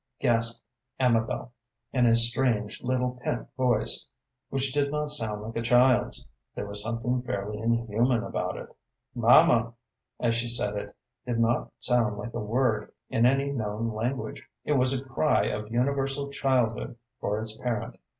gasped Amabel, in a strange, little, pent voice, which did not sound like a child's. There was something fairly inhuman about it. "Mamma," as she said it, did not sound like a word in any known language. It was like a cry of universal childhood for its parent.